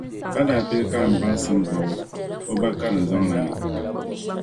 Ka daa pili karim baŋsim bɔbu o ba karimzɔŋ la ni.